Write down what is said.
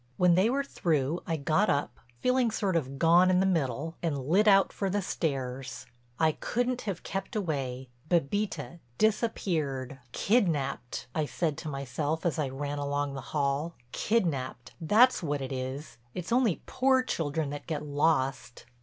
When they were through I got up, feeling sort of gone in the middle, and lit out for the stairs. I couldn't have kept away—Bébita disappeared! "Kidnapped!" I said to myself as I ran along the hall. "Kidnapped! that's what it is—it's only poor children that get lost."